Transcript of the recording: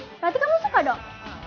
berarti kamu suka dong